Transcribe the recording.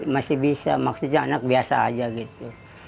masih bisa maksudnya anak biasa aja gitu